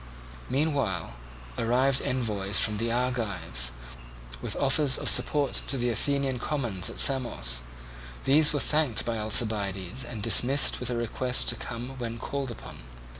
Meanwhile arrived envoys from the Argives, with offers of support to the Athenian commons at Samos: these were thanked by Alcibiades, and dismissed with a request to come when called upon.